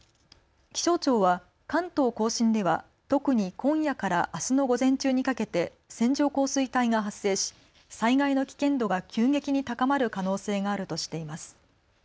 気象庁は関東甲信では特に今夜からあすの午前中にかけて線状降水帯が発生し災害の危険度が急激に高まる可能性があるとしています。